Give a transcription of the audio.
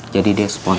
jadi dia sepulang